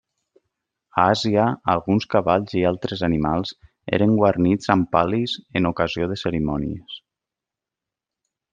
A Àsia alguns cavalls i altres animals eren guarnits amb pal·lis en ocasió de cerimònies.